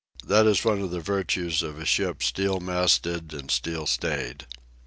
That is one of the virtues of a ship steel masted and steel stayed.